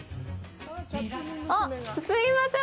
あっ、すいません。